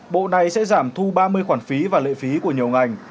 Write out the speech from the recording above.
bộ này sẽ giảm thu ba mươi khoản phí và lệ phí của nhiều ngành